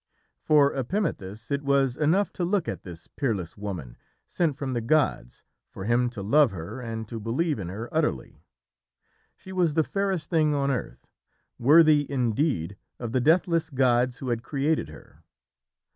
For Epimethus it was enough to look at this peerless woman, sent from the gods, for him to love her and to believe in her utterly. She was the fairest thing on earth, worthy indeed of the deathless gods who had created her.